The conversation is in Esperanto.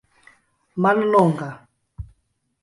mallonga